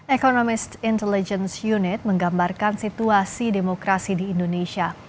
economist intelligence unit menggambarkan situasi demokrasi di indonesia